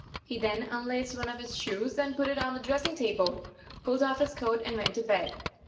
He then unlaced one of his shoes and put it on the dressing table, pulled off his coat and went to bed.